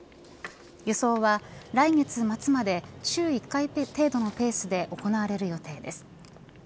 輸送は来月末まで週１回程度のペースで行われる予定です。